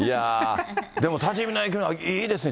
でも多治見の駅のいいですね。